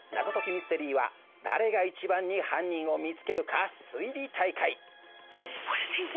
ミステリーは誰が一番に犯人を見つけるか推理大会